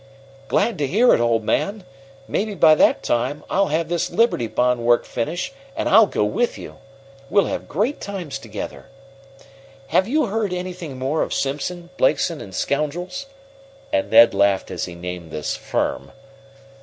"Glad to hear it, old man. Maybe by that time I'll have this Liberty Bond work finished, and I'll go with you. We'll have great times together! Have you heard anything more of Simpson, Blakeson and Scoundrels?" And Ned laughed as he named this "firm."